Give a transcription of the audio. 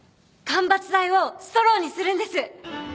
間伐材をストローにするんです。